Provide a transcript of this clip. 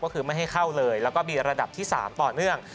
ก็คือไม่ให้เข้าเลยแล้วก็มีระดับที่๓ต่อเนื่อง